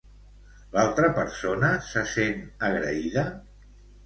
L'altra persona se sent agraïda?